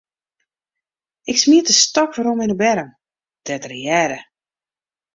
Ik smiet de stôk werom yn 'e berm, dêr't er hearde.